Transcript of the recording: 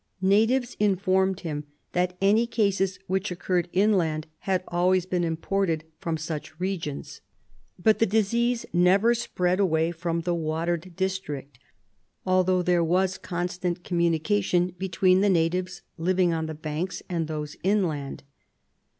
Natives informed them that any cases which occurred inland had always been imported from such regions, but the disease never spread away from the watered district, although there was constant communication be tween the natives living on the banks and those inland.